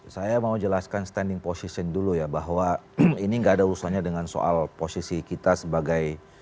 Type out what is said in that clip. saya mau jelaskan standing position dulu ya bahwa ini nggak ada urusannya dengan soal posisi kita sebagai